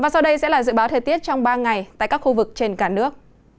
sau đây sẽ là dự báo thời tiết trong ba ngày tại các khu vực trên cả nước